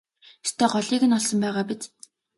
Ёстой голыг нь олсон байгаа биз?